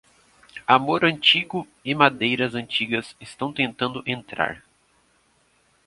Amor antigo e madeiras antigas estão tentando entrar.